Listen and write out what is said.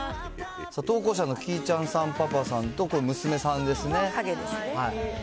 投稿者のキーちゃんさんパパさんと娘さんですね。